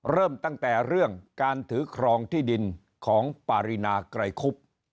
เริ่มตั้งแต่เรื่องการถือครองที่ดินของปารินาไกรคุบ